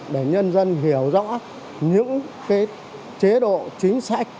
để nhân dân hiểu rõ những chế độ chính sách